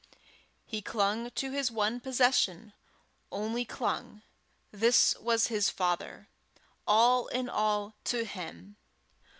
He clung to his one possession only clung: this was his father all in all to him.